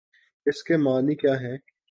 اس کے معانی کیا ہیں؟